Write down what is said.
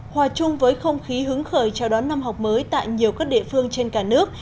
hòa chung với không khí hứng khởi chào đón năm học mới tại nhiều các địa phương trên cả nước